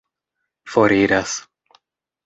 foriras